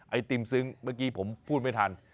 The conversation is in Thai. ไอติมซึ้งเมื่อกี้ผมพูดไม่ทัน